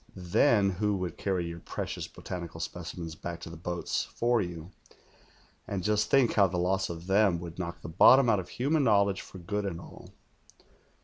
Then who would carry your precious botanical specimens back to the lioats for you, and just think how the loss of them would knock the bottom out of human knowledge for good and all.'